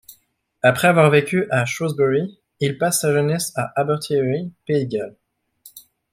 Après avoir vécu à Shrewsbury, il passe sa jeunesse à Abertillery, Pays de Galles.